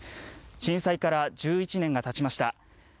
震災から１１年がたちました。